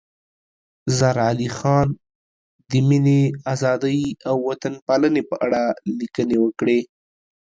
زار علي خان د مینې، ازادۍ او وطن پالنې په اړه لیکنې وکړې.